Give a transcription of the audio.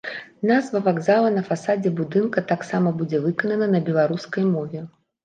Назва вакзала на фасадзе будынка таксама будзе выканана на беларускай мове.